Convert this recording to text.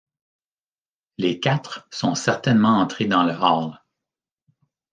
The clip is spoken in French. Les quatre sont certainement entrés dans le hall.